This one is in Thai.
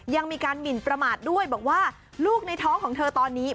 ยังมีการหมินประมาทด้วยบอกว่าลูกในท้องของเธอตอนนี้